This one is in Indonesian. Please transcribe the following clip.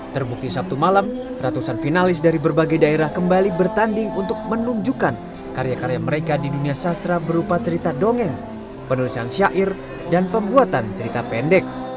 terbukti sabtu malam ratusan finalis dari berbagai daerah kembali bertanding untuk menunjukkan karya karya mereka di dunia sastra berupa cerita dongeng penulisan syair dan pembuatan cerita pendek